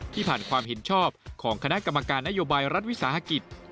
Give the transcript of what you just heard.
ผ่านความเห็นชอบของคณะกรรมการนโยบายรัฐวิสาหกิจ